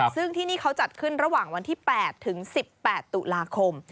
ซึ่งที่นี่เขาจัดขึ้นระหว่างวันที่๘ถึง๑๘ตุลาคม